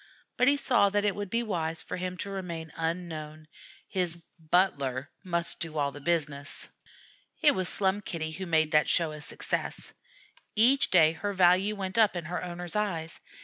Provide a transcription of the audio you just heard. But he saw that it would be wise for him to remain unknown; his "butler" must do all the business. It was Slum Kitty who made that show a success. Each day her value went up in her owner's eyes.